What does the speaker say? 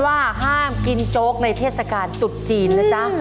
ว่าห้ามกินโจ๊กในเทศกาลตุดจีนนะจ๊ะ